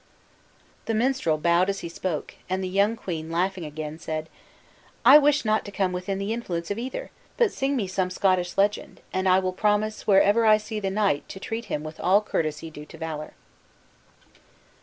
The minstrel bowed as he spoke, and the young queen laughing again, said: "I wish not to come within the influence of either. But sing me some Scottish legend, and I will promise wherever I see the knight to treat him with all courtesy due to valor."